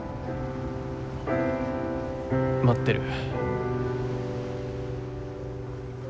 待ってる。